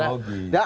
dan ada ideologi